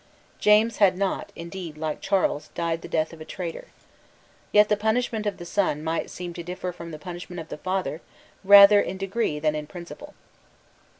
James had not, indeed, like Charles, died the death of a traitor. Yet the punishment of the son might seem to differ from the punishment of the father rather in degree than in principle.